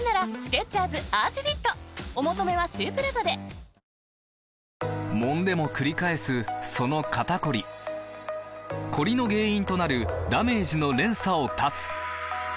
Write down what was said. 「エアジェット除菌ＥＸ」もんでもくり返すその肩こりコリの原因となるダメージの連鎖を断つ！